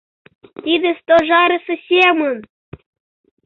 Тиде Стожарысе семын!